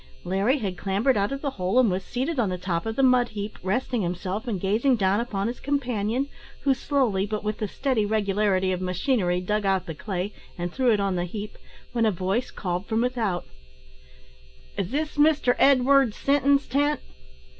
Larry had clambered out of the hole, and was seated on the top of the mud heap, resting himself and gazing down upon his companion, who slowly, but with the steady regularity of machinery, dug out the clay, and threw it on the heap, when a voice called from without "Is this Mr Edward Sinton's tent?"